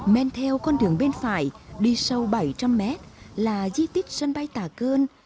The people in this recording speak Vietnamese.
men theo con đường bên phải đi sâu bảy trăm linh mét là di tích sân bay tà cơn